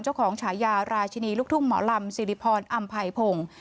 เจ้าของฉายาราชินีลูกทุ่งหมอลำสิริพรอำภัยพงศ์